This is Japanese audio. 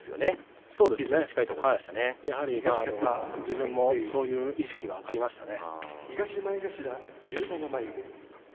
自分もそういう意識はありましたね。